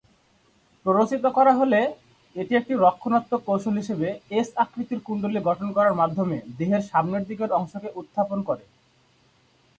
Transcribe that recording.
প্ররোচিত করা হলে, এটি একটি রক্ষণাত্মক কৌশল হিসাবে 'এস' আকৃতির কুণ্ডলী গঠন করার মাধ্যমে দেহের সামনের দিকের অংশকে উত্থাপন করে।